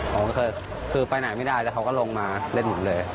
ผมเคยคือไปไหนไม่ได้แล้วเขาก็ลงมาเล่นหมุนเลย